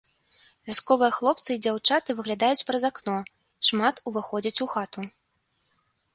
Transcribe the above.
Вясковыя хлопцы і дзяўчаты выглядаюць праз акно, шмат уваходзяць у хату.